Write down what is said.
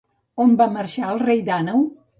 On va marxar el rei Dànau?